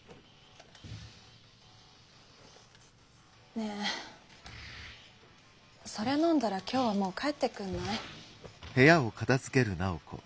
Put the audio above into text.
ねえそれ飲んだら今日はもう帰ってくんない？